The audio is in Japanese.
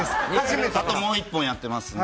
もう１本やってますので。